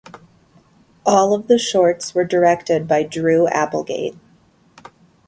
All of the shorts were directed by Drew Applegate.